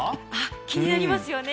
気になりますよね。